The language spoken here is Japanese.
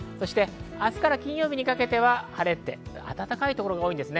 明日から金曜日にかけては晴れて暖かいところが多いです。